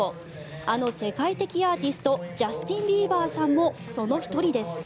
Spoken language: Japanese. あの世界的アーティストジャスティン・ビーバーさんもその１人です。